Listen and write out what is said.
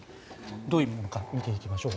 どういうものか見ていきましょう。